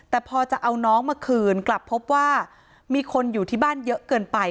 แต่พอจะเอาน้องมาคืนกลับพบว่ามีคนอยู่ที่บ้านเยอะเกินไป